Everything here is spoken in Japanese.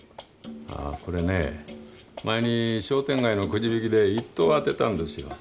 これね前に商店街のくじ引きで１等を当てたんですよ。